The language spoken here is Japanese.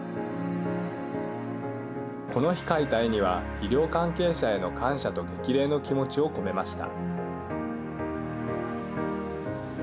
この日描いた絵には医療関係者への感謝と激励の気持ちを込めました。